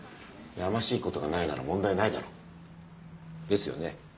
やましい事がないなら問題ないだろ。ですよね？